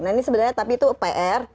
nah ini sebenarnya tapi itu pr